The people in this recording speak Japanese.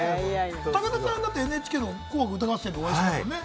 武田さんはＮＨＫの『紅白歌合戦』でお会いされてますもんね。